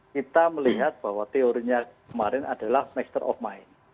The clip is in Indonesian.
kita melihat bahwa teorinya kemarin adalah next of mine